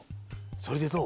それでどう？